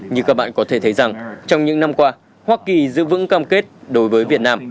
như các bạn có thể thấy rằng trong những năm qua hoa kỳ giữ vững cam kết đối với việt nam